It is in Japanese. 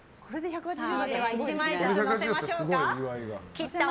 １枚ずつのせましょうか。